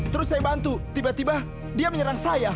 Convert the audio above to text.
terus saya bantu tiba tiba dia menyerang saya